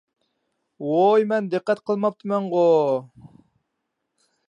ۋوي مەن دىققەت قىلماپتىمەنغۇ؟